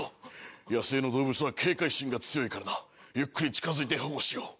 野生の動物は警戒心が強いからなゆっくり近づいて保護しよう。